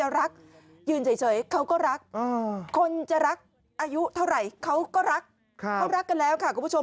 รักกันแล้วค่ะคุณผู้ชม